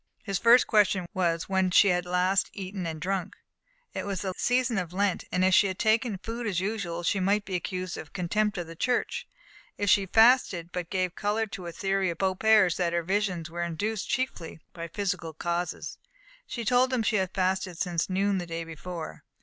His first question was, when she had last eaten and drunk. It was the season of Lent; if she had taken food as usual, she might be accused of contempt for the Church; if she had fasted, she gave colour to a theory of Beaupère's, that her visions were induced chiefly by physical causes. She told him she had fasted since noon the day before.